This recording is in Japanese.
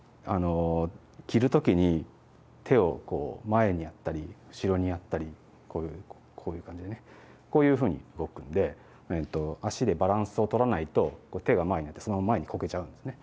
着る時に手を前にやったり後ろにやったりこういう感じでねこういうふうに動くんで足でバランスを取らないと手が前に行ってそのまま前にこけちゃうんですね。